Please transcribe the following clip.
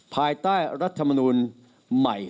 ภายใต้รัฐมนูลใหม่